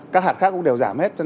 các hạt khác cũng đều giảm hết